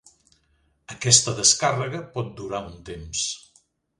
Aquesta descàrrega pot durar un temps.